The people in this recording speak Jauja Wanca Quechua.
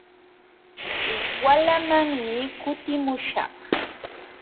Walamanmi kutimuśhaq.